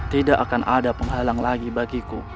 tidak akan ada penghalang lagi bagiku